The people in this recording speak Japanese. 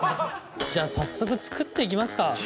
じゃあ早速作っていきますか。